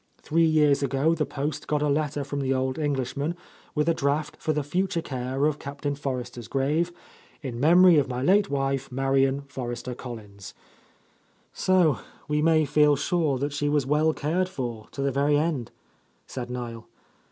Three years ago the Post got a letter from the old Englishman, with a draft for the future care af Captain Forrester's grave, 'in mem ory of my late wife, Marian Forrester Collins* "So we may feel sure that she was well cared for, to the very end," said Niel.